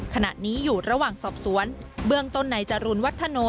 ขณะนี้อยู่ระหว่างสอบสวนเบื้องต้นในจรูลวัฒโน